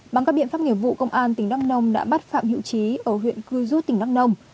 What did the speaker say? bằng các biện pháp nghiệp vụ công an tỉnh đắk nông đã bắt phạm hữu trí ở huyện cư rút tỉnh đắk nông